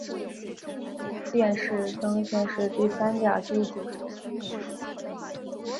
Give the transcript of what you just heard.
殿试登进士第三甲第九十七名。